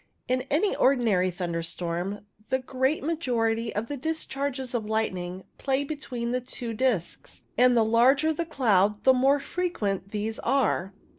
In any ordinary thunderstorm the great majority of the discharges of lightning play between the two discs, and the larger the cloud the more frequent these are.